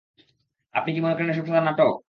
আপনি কি মনে করেন এসব তার নাটক?